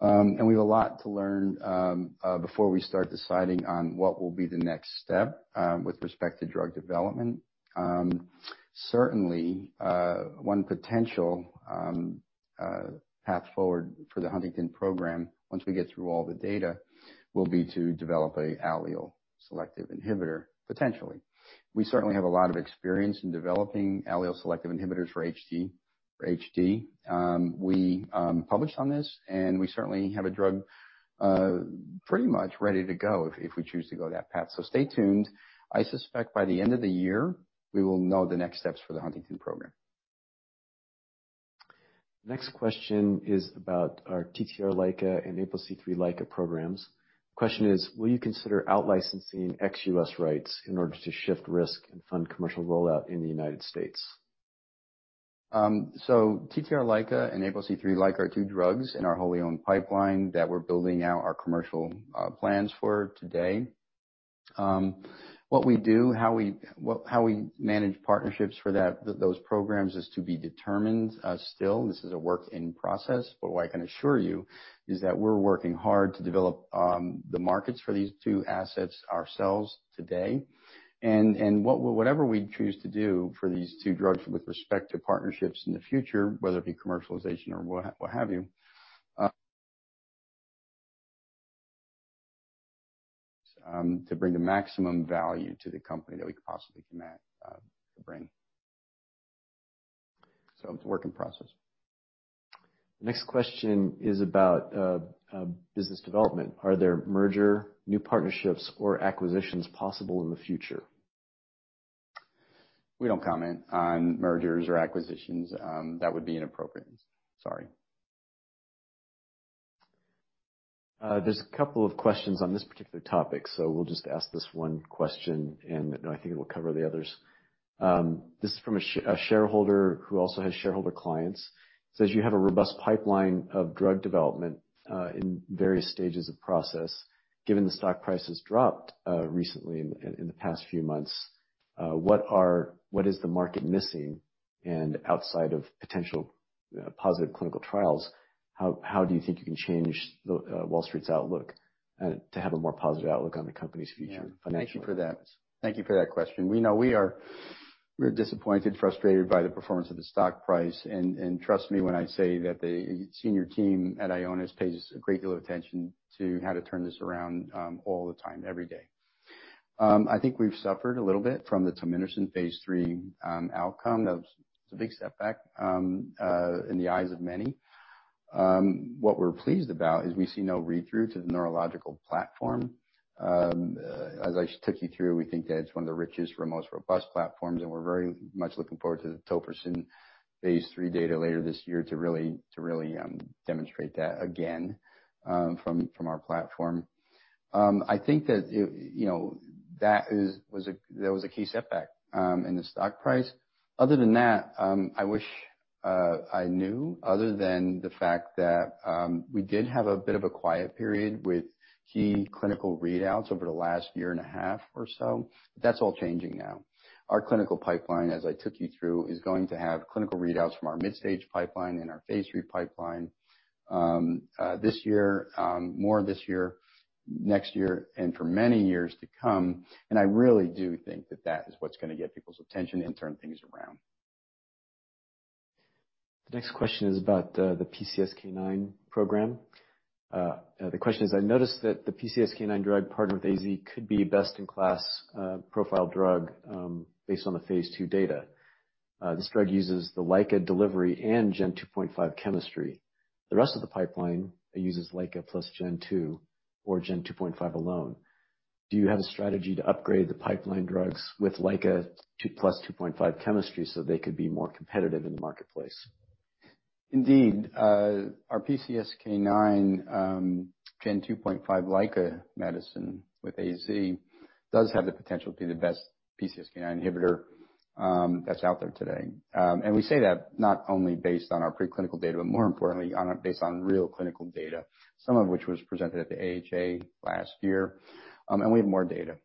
We have a lot to learn before we start deciding on what will be the next step with respect to drug development. Certainly, one potential path forward for the Huntington program, once we get through all the data, will be to develop an allele-selective inhibitor, potentially. We certainly have a lot of experience in developing allele-selective inhibitors for HD. We published on this, and we certainly have a drug pretty much ready to go if we choose to go that path. Stay tuned. I suspect by the end of the year, we will know the next steps for the Huntington program. Next question is about our TTR-LICA and APOCIII LICA programs. Question is, will you consider out-licensing ex-U.S. rights in order to shift risk and fund commercial rollout in the United States? TTR-LICA and APOCIII-LICA are two drugs in our wholly-owned pipeline that we're building out our commercial plans for today. What we do, how we manage partnerships for those programs is to be determined still. This is a work in process. What I can assure you is that we're working hard to develop the markets for these two assets ourselves today. Whatever we choose to do for these two drugs with respect to partnerships in the future, whether it be commercialization or what have you, to bring the maximum value to the company that we possibly can bring. It's a work in process. Next question is about business development. Are there merger, new partnerships, or acquisitions possible in the future? We don't comment on mergers or acquisitions. That would be inappropriate. Sorry. There's a couple of questions on this particular topic, so we'll just ask this one question, and I think it'll cover the others. This is from a shareholder who also has shareholder clients. Says you have a robust pipeline of drug development in various stages of process. Given the stock price has dropped recently in the past few months, what is the market missing? Outside of potential positive clinical trials, how do you think you can change Wall Street's outlook to have a more positive outlook on the company's future financially? Thank you for that question. We know we are disappointed, frustrated by the performance of the stock price. Trust me when I say that the senior team at Ionis pays a great deal of attention to how to turn this around all the time, every day. I think we've suffered a little bit from the tominersen Phase III outcome. That was a big setback in the eyes of many. What we're pleased about is we see no read-through to the neurological platform. As I took you through, we think that it's one of the richest, one of the most robust platforms, and we're very much looking forward to the tofersen Phase III data later this year to really demonstrate that again from our platform. I think that was a key setback in the stock price. Other than that, I wish I knew, other than the fact that we did have a bit of a quiet period with key clinical readouts over the last year and a half or so. That's all changing now. Our clinical pipeline, as I took you through, is going to have clinical readouts from our mid-stage pipeline and our phase III pipeline this year, more this year, next year, and for many years to come. I really do think that that is what's going to get people's attention and turn things around. The next question is about the PCSK9 program. The question is, I noticed that the PCSK9 drug partnered with AZ could be a best-in-class profile drug based on the phase II data. This drug uses the LICA delivery and gen 2.5 chemistry. The rest of the pipeline uses LICA plus gen 2 or gen 2.5 alone. Do you have a strategy to upgrade the pipeline drugs with LICA plus 2.5 chemistry so they could be more competitive in the marketplace? Indeed. Our PCSK9 gen 2.5 LICA medicine with AZ does have the potential to be the best PCSK9 inhibitor that's out there today. We say that not only based on our preclinical data, more importantly, based on real clinical data, some of which was presented at the AHA last year. We have more data.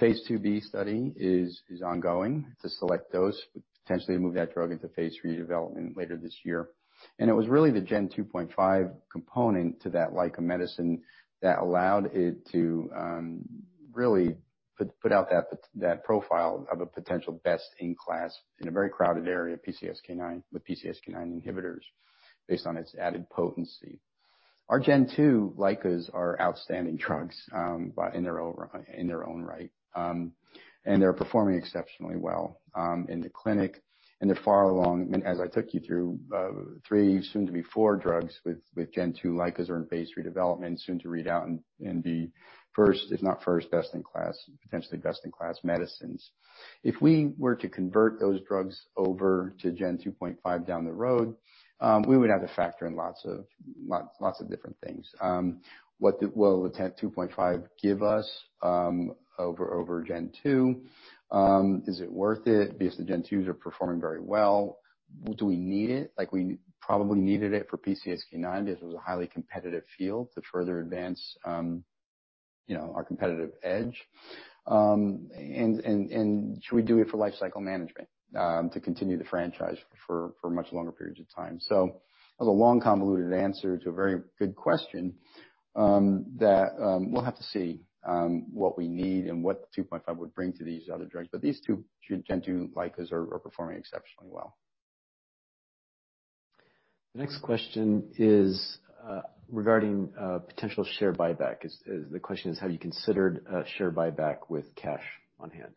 phase II-B study is ongoing to select those, potentially move that drug into phase III development later this year. It was really the gen 2.5 component to that LICA medicine that allowed it to really put out that profile of a potential best-in-class in a very crowded area, PCSK9, with PCSK9 inhibitors based on its added potency. Our Gen 2 LICAs are outstanding drugs in their own right, and they're performing exceptionally well in the clinic and are far along, and as I took you through three, soon to be four, drugs with Gen 2 LICAs are in phase III development, soon to read out and be first, if not first best in class, potentially best in class medicines. If we were to convert those drugs over to Gen 2.5 down the road, we would have to factor in lots of different things. What will a 2.5 give us over Gen 2? Is it worth it because the Gen 2s are performing very well? Do we need it? We probably needed it for PCSK9 because it was a highly competitive field to further advance our competitive edge. Should we do it for life cycle management to continue the franchise for much longer periods of time? That's a long, convoluted answer to a very good question that we'll have to see what we need and what 2.5 would bring to these other drugs. These two Generation 2 LICAs are performing exceptionally well. The next question is regarding potential share buyback. The question is, have you considered a share buyback with cash on hand?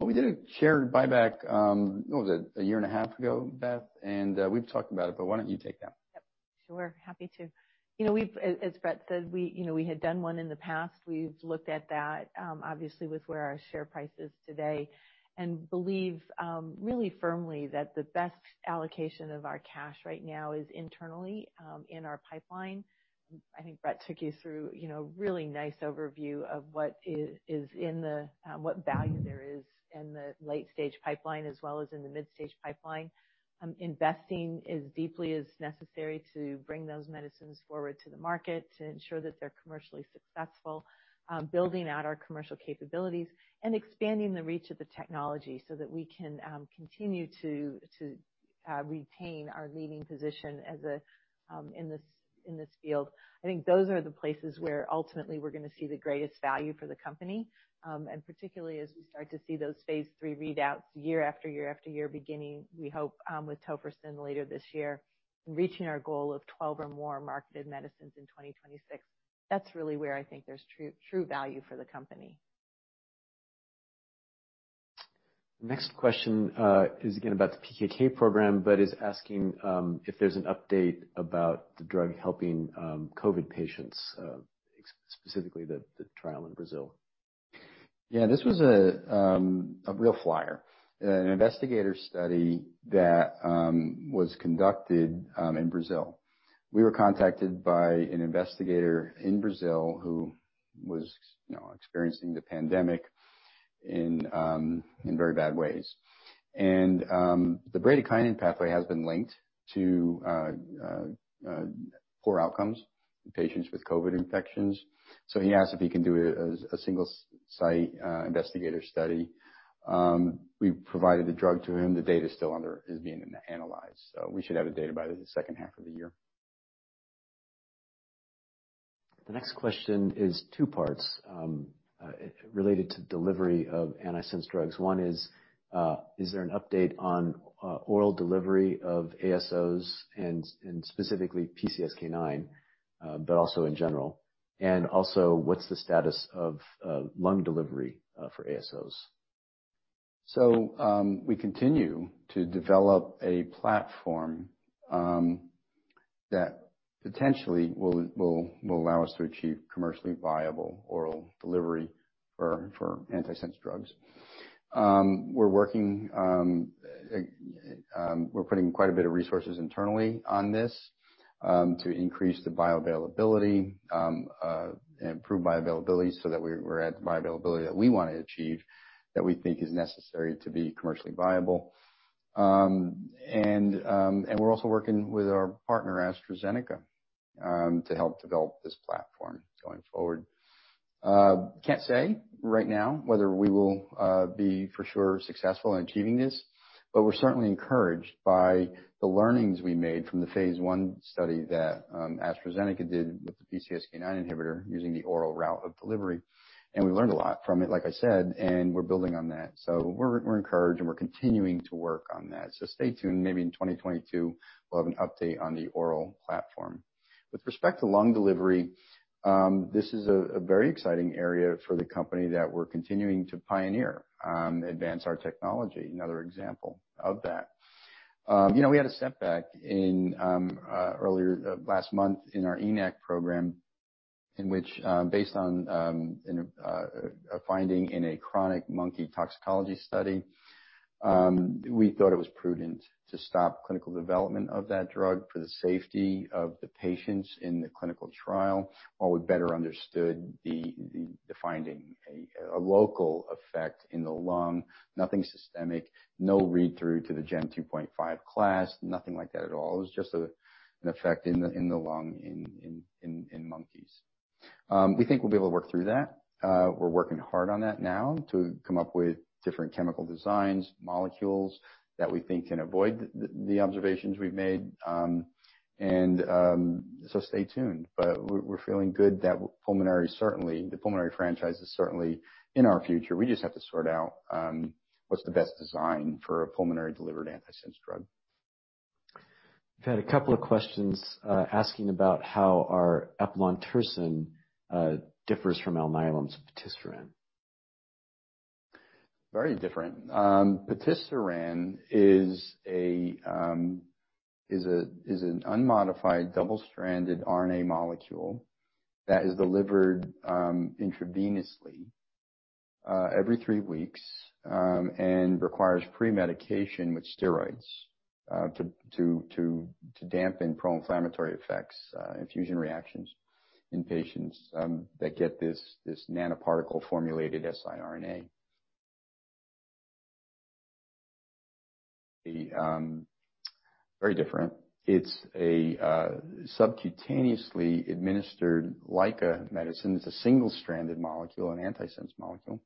We did a share buyback a year and a half ago, Beth, and we've talked about it, but why don't you take that? Sure. Happy to. As Brett said, we had done one in the past. We've looked at that, obviously, with where our share price is today. We believe really firmly that the best allocation of our cash right now is internally, in our pipeline. I think Brett took you through a really nice overview of what value there is in the late-stage pipeline, as well as in the mid-stage pipeline, investing as deeply as necessary to bring those medicines forward to the market to ensure that they're commercially successful, building out our commercial capabilities, and expanding the reach of the technology so that we can continue to retain our leading position in this field. I think those are the places where ultimately we're going to see the greatest value for the company, and particularly as we start to see those phase III readouts year after year after year, beginning, we hope, with tofersen later this year, reaching our goal of 12 or more marketed medicines in 2026. That's really where I think there's true value for the company. The next question is again about the PKK program, but is asking if there's an update about the drug helping COVID patients, specifically the trial in Brazil. Yeah, this was a real flyer, an investigator study that was conducted in Brazil. We were contacted by an investigator in Brazil who was experiencing the pandemic in very bad ways. The bradykinin pathway has been linked to poor outcomes in patients with COVID infections. He asked if he can do a single-site investigator study. We provided the drug to him. The data still is being analyzed, so we should have data by the second half of the year. The next question is two parts related to delivery of antisense drugs. One is there an update on oral delivery of ASOs and specifically PCSK9, but also in general? Also, what's the status of lung delivery for ASOs? We continue to develop a platform that potentially will allow us to achieve commercially viable oral delivery for antisense drugs. We're putting quite a bit of resources internally on this to increase the bioavailability, improve bioavailability so that we're at the bioavailability that we want to achieve, that we think is necessary to be commercially viable. We're also working with our partner, AstraZeneca, to help develop this platform going forward. Can't say right now whether we will be for sure successful in achieving this, but we're certainly encouraged by the learnings we made from the phase I study that AstraZeneca did with the PCSK9 inhibitor using the oral route of delivery, we learned a lot from it, like I said, and we're building on that. We're encouraged, we're continuing to work on that. Stay tuned. In 2022, we'll have an update on the oral platform. With respect to lung delivery, this is a very exciting area for the company that we're continuing to pioneer and advance our technology, another example of that. We had a setback earlier last month in our EMAC program, in which based on a finding in a chronic monkey toxicology study, we thought it was prudent to stop clinical development of that drug for the safety of the patients in the clinical trial while we better understood the finding, a local effect in the lung, nothing systemic, no read-through to the Gen 2.5 class, nothing like that at all. It was just an effect in the lung in monkeys. We think we'll be able to work through that. We're working hard on that now to come up with different chemical designs, molecules that we think can avoid the observations we've made. Stay tuned, but we're feeling good that the pulmonary franchise is certainly in our future. We just have to sort out what's the best design for a pulmonary-delivered antisense drug. We've had a couple of questions asking about how our eplontersen differs from Alnylam's patisiran. Very different. Patisiran is an unmodified double-stranded RNA molecule that is delivered intravenously every three weeks and requires pre-medication with steroids to dampen pro-inflammatory effects, infusion reactions in patients that get this nanoparticle-formulated siRNA. Very different. It's subcutaneously administered like a medicine. It's a single-stranded molecule, an antisense molecule,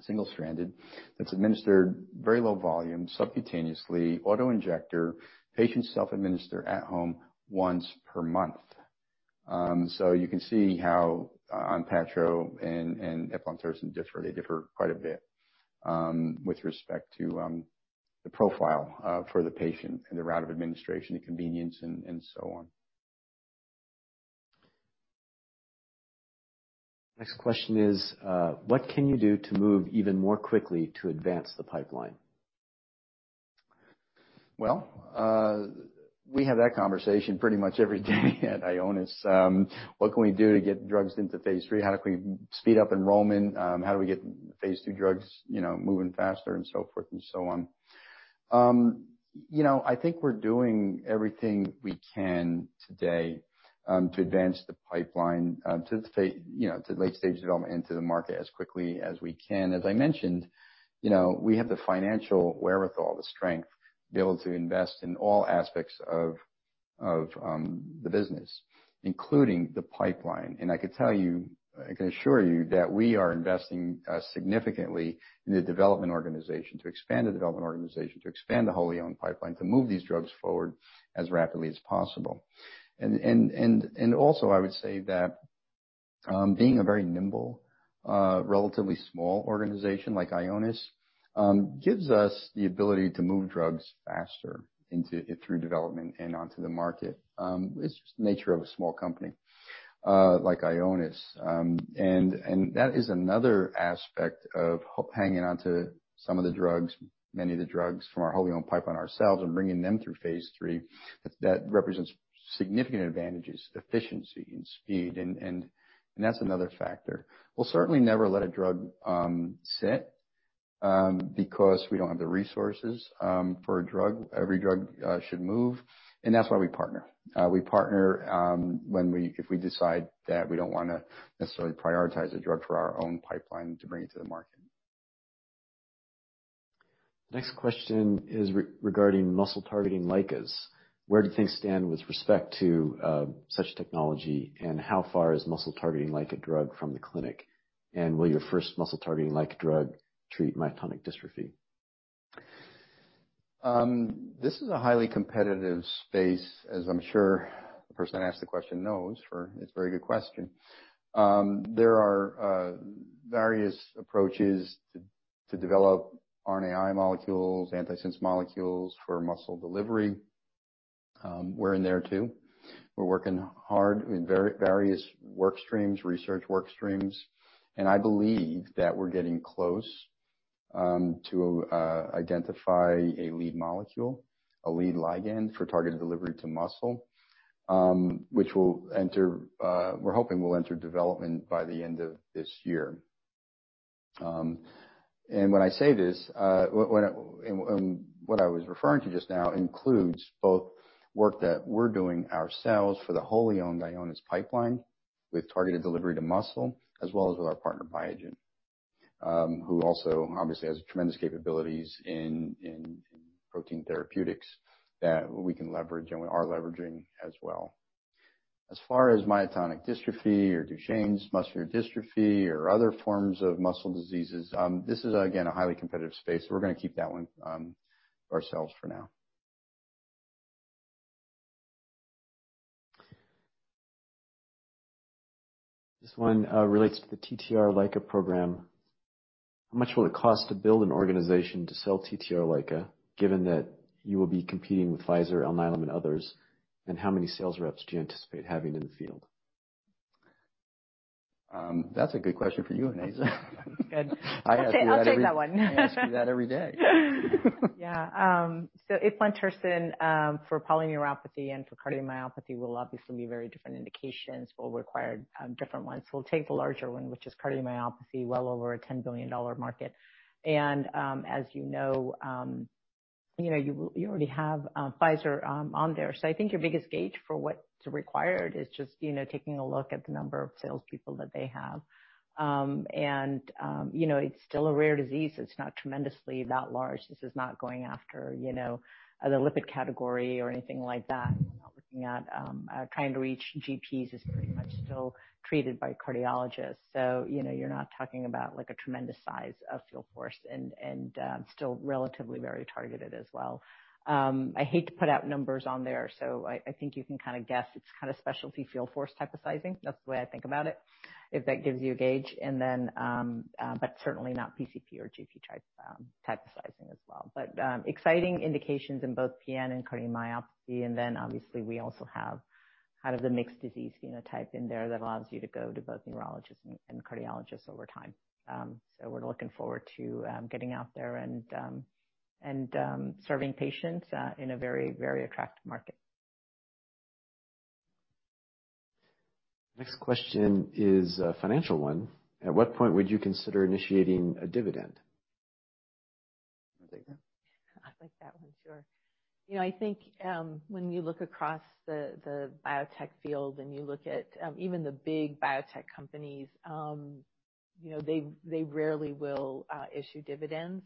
single-stranded. It's administered very low volume, subcutaneously, auto-injector, patients self-administer at home once per month. So you can see how ONPATTRO and eplontersen differ. They differ quite a bit with respect to the profile for the patient and the route of administration, convenience, and so on. Next question is, what can you do to move even more quickly to advance the pipeline? Well, we have that conversation pretty much every day at Ionis. What can we do to get drugs into phase III? How can we speed up enrollment? How do we get phase II drugs moving faster and so forth and so on. I think we're doing everything we can today to advance the pipeline to late-stage development into the market as quickly as we can. As I mentioned, we have the financial wherewithal, the strength to be able to invest in all aspects of the business, including the pipeline. I can assure you that we are investing significantly in the development organization to expand the development organization, to expand the whole Ionis pipeline, to move these drugs forward as rapidly as possible. I would say that being a very nimble, relatively small organization like Ionis, gives us the ability to move drugs faster through development and onto the market. It's the nature of a small company like Ionis. That is another aspect of hanging on to some of the drugs, many of the drugs from our whole Ionis pipeline ourselves and bringing them through phase III. That represents significant advantages, efficiency, and speed, and that's another factor. We'll certainly never let a drug sit, because we don't have the resources for a drug. Every drug should move, and that's why we partner. We partner if we decide that we don't want to necessarily prioritize a drug for our own pipeline to bring it to the market. Next question is regarding muscle-targeting LICAs. Where do things stand with respect to such technology, how far is muscle-targeting LICA drug from the clinic? Will your first muscle-targeting LICA drug treat myotonic dystrophy? This is a highly competitive space, as I'm sure the person who asked the question knows. It's a very good question. There are various approaches to develop RNAi molecules, antisense molecules for muscle delivery. We're in there, too. We're working hard in various workstreams, research workstreams, I believe that we're getting close to identify a lead molecule, a lead ligand for targeted delivery to muscle, which we're hoping will enter development by the end of this year. When I say this, what I was referring to just now includes both work that we're doing ourselves for the whole Ionis pipeline with targeted delivery to muscle, as well as with our partner Biogen who also obviously has tremendous capabilities in protein therapeutics that we can leverage, and we are leveraging as well. As far as myotonic dystrophy or Duchenne muscular dystrophy or other forms of muscle diseases, this is, again, a highly competitive space. We're going to keep that one to ourselves for now. This one relates to the TTR LICA program. How much will it cost to build an organization to sell TTR LICA, given that you will be competing with Pfizer, Alnylam, and others, and how many sales reps do you anticipate having in the field? That's a good question for you, Onaiza. Good. Okay, I'll take that one. I ask you that every day. Yeah. If one person for polyneuropathy and for cardiomyopathy will obviously be very different indications, will require different ones. We'll take the larger one, which is cardiomyopathy, well over a $10 billion market. As you know you already have Pfizer on there. I think your biggest gauge for what to require it is just taking a look at the number of salespeople that they have. It's still a rare disease. It's not tremendously that large. This is not going after a lipid category or anything like that. We're not looking at kind of reaching GPs. It's pretty much still treated by cardiologists. You're not talking about a tremendous size of field force and still relatively very targeted as well. I hate to put out numbers on there, so I think you can guess it's kind of specialty field force type of sizing. That's the way I think about it, if that gives you a gauge. Certainly not PCP or GP type of sizing as well. Exciting indications in both PN and cardiomyopathy, and then obviously we also have the mixed disease phenotype in there that allows you to go to both neurologists and cardiologists over time. We're looking forward to getting out there and serving patients in a very attractive market. Next question is a financial one. At what point would you consider initiating a dividend? Onaiza. I'd like that one. Sure. I think when you look across the biotech field and you look at even the big biotech companies they rarely will issue dividends.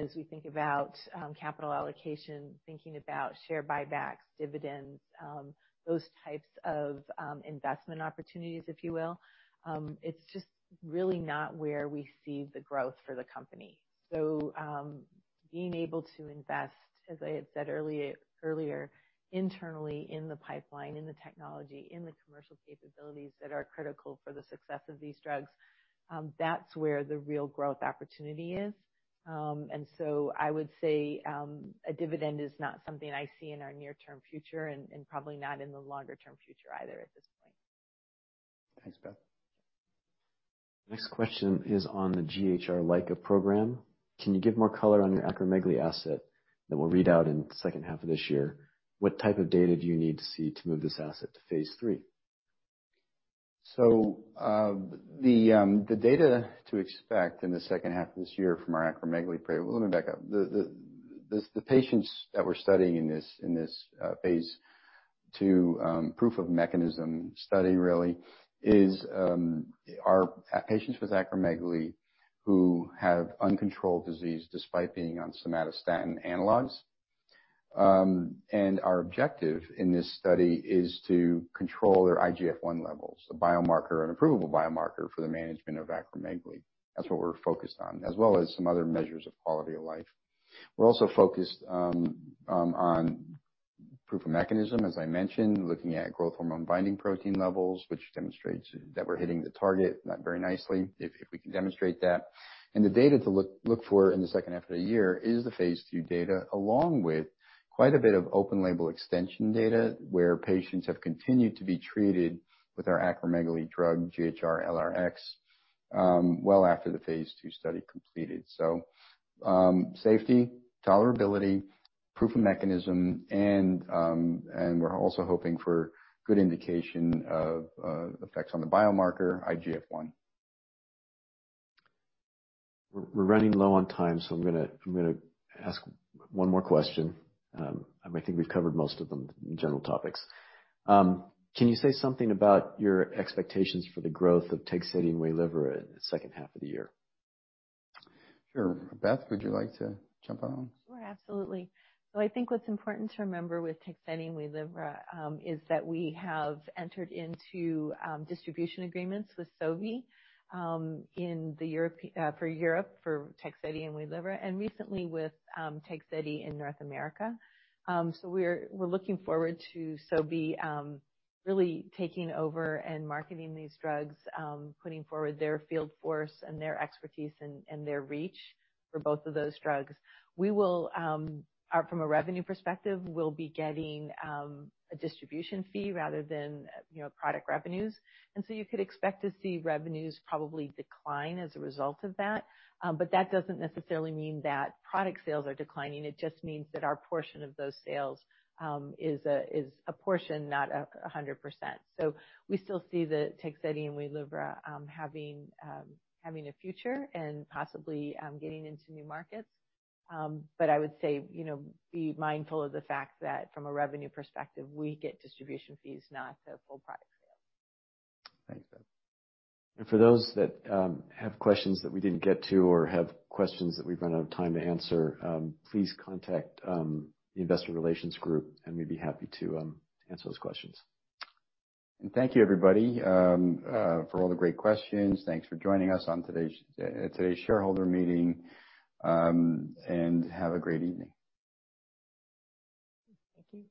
As we think about capital allocation, thinking about share buybacks, dividends, those types of investment opportunities, if you will. It's just really not where we see the growth for the company. Being able to invest, as I had said earlier, internally in the pipeline, in the technology, in the commercial capabilities that are critical for the success of these drugs, that's where the real growth opportunity is. I would say a dividend is not something I see in our near-term future and probably not in the longer-term future either at this point. Thanks, Beth. Next question is on the GHR LRx program. "Can you give more color on your acromegaly asset that will read out in the second half of this year? What type of data do you need to see to move this asset to phase III? The data to expect in the second half of this year from our acromegaly program. Let me back up. The patients that we're studying in this phase II proof of mechanism study really are patients with acromegaly who have uncontrolled disease despite being on somatostatin analogs. Our objective in this study is to control their IGF-1 levels, a biomarker, an approval biomarker for the management of acromegaly. That's what we're focused on, as well as some other measures of quality of life. We're also focused on proof of mechanism, as I mentioned, looking at growth hormone binding protein levels, which demonstrates that we're hitting the target very nicely if we can demonstrate that. The data to look for in the second half of the year is the phase II data, along with quite a bit of open label extension data, where patients have continued to be treated with our acromegaly drug, cimdelirsen, well after the phase II study completed. Safety, tolerability, proof of mechanism, and we're also hoping for good indication of effects on the biomarker IGF-1. We're running low on time, so I'm going to ask one more question. I think we've covered most of them in general topics. Can you say something about your expectations for the growth of TEGSEDI and WAYLIVRA in the second half of the year? Sure. Beth, would you like to jump on? Sure, absolutely. I think what's important to remember with TEGSEDI and WAYLIVRA is that we have entered into distribution agreements with Sobi for Europe, for TEGSEDI and WAYLIVRA, and recently with TEGSEDI in North America. We're looking forward to Sobi really taking over and marketing these drugs putting forward their field force and their expertise and their reach for both of those drugs. From a revenue perspective, we'll be getting a distribution fee rather than product revenues. You could expect to see revenues probably decline as a result of that. That doesn't necessarily mean that product sales are declining. It just means that our portion of those sales is a portion, not 100%. We still see the TEGSEDI and WAYLIVRA having a future and possibly getting into new markets. I would say be mindful of the fact that from a revenue perspective, we get distribution fees, not the full product sales. Thanks, Beth. For those that have questions that we didn't get to or have questions that we've run out of time to answer, please contact Investor Relations Group, and we'd be happy to answer those questions. Thank you, everybody, for all the great questions. Thanks for joining us on today's shareholder meeting, and have a great evening. Thank you.